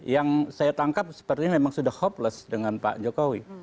yang saya tangkap sepertinya memang sudah hopeless dengan pak jokowi